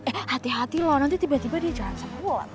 eh hati hati loh nanti tiba tiba dia jalan sama ulan